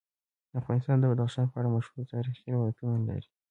افغانستان د بدخشان په اړه مشهور تاریخی روایتونه لري.